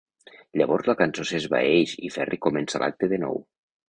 Llavors la cançó s'esvaeix i Ferry comença l'acte de nou.